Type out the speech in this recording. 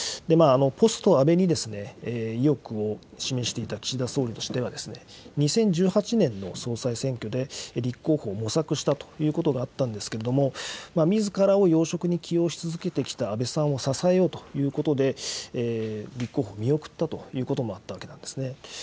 ポスト安倍に意欲を示していた岸田総理としては、２０１８年の総裁選挙で立候補を模索したということがあったんですけれども、みずからを要職に起用し続けてきた安倍さんを支えようということで、立候補を見送ったということもあったわけなんですね。